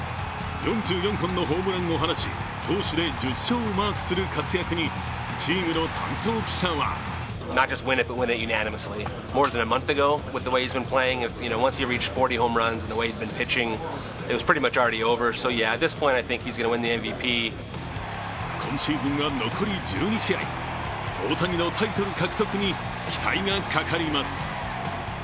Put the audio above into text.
４４本のホームランを放ち投手で１０勝をマークする活躍に、チームの担当記者は今シーズンは残り１２試合、大谷のタイトル獲得に期待がかかります。